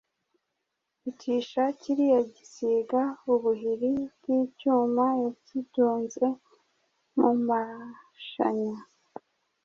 yicisha kiriya gisiga ubuhiri bw’icyuma yakidunze mu mashanya,